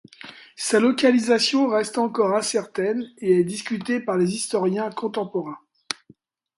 Sa localisation reste encore incertaine et est discutée par les historiens contemporains.